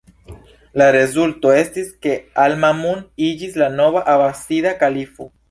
La rezulto estis ke al-Ma'mun iĝis la nova Abasida Kalifo.